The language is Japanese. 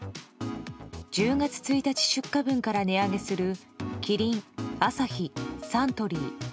１０月１日出荷分から値上げするキリン、アサヒ、サントリー。